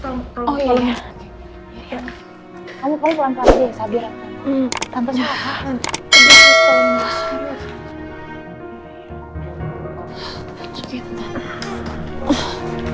kamu mau pulang pulang aja ya sabir aku